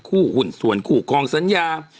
หุ้นส่วนคู่คลองสัญญา